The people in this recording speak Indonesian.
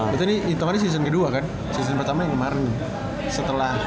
betul ini kemarin season ke dua kan season pertama yang kemaren nih setelah